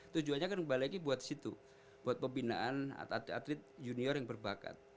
tujuannya kan kembali lagi buat situ buat pembinaan atlet atlet junior yang berbakat